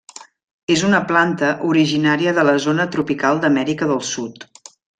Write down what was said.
És una planta originària de la zona tropical d'Amèrica del Sud.